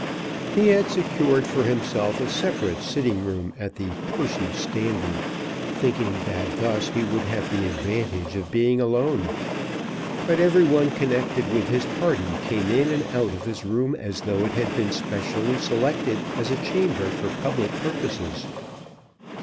He had secured for himself a separate sitting room at the "Percy Standard," thinking that thus he would have the advantage of being alone; but every one connected with his party came in and out of his room as though it had been specially selected as a chamber for public purposes.